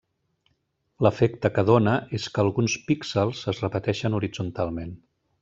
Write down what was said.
L'efecte que dóna és que alguns píxels es repeteixen horitzontalment.